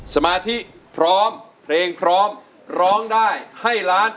สมาธิพร้อมเพลงพร้อมร้องได้ให้ล้าน